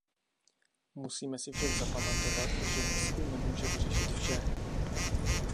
Musíme si však zapamatovat, že výzkum nemůže vyřešit vše.